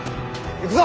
行くぞ！